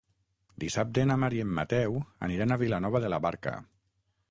Dissabte na Mar i en Mateu aniran a Vilanova de la Barca.